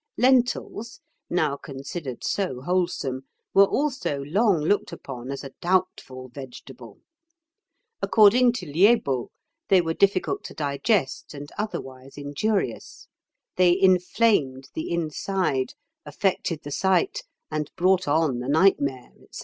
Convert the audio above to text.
Lentils, now considered so wholesome, were also long looked upon as a doubtful vegetable; according to Liébault, they were difficult to digest and otherwise injurious; they inflamed the inside, affected the sight, and brought on the nightmare, &c.